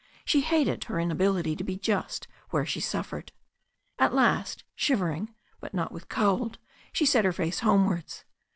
She hated her inability to be just where she suffered. At last, shivering, but not with cold, she set her face homewards.